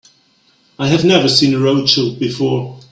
I have never seen a Rothschild before.